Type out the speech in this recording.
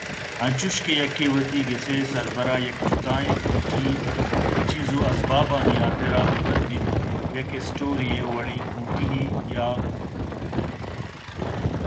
انچوش کہ یکے وتی گِسءِ سر بر ءَ یک جتائیں کوٹی ئےپہ چیز ءُازبابانی حاترابہ بندیت یک اسٹور ءِ وڑیں کوٹی ئے یاک